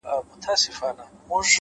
هغه چي هيڅو نه لري په دې وطن کي;